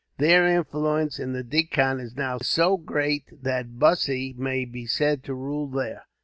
Their influence in the Deccan is now so great that Bussy may be said to rule there.